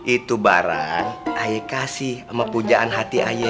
itu barang aye kasih sama pujaan hati aye